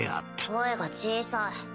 声が小さい。